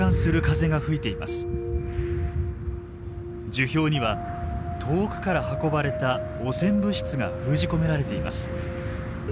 樹氷には遠くから運ばれた汚染物質が封じ込められています。